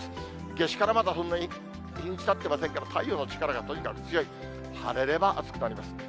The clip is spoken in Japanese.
夏至からまだそんなに日にちたってませんから、太陽の力がとにかく強い、晴れれば暑くなります。